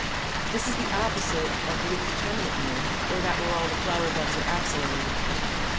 This is the opposite of the indeterminate mode, or that where all the flower buds are axillary.